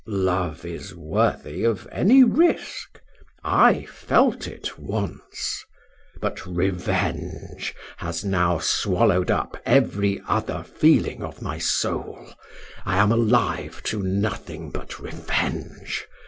Love is worthy of any risque I felt it once, but revenge has now swallowed up every other feeling of my soul I am alive to nothing but revenge.